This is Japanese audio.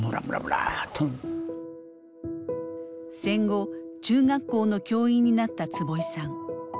戦後中学校の教員になった坪井さん。